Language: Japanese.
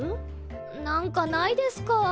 なんかないですか？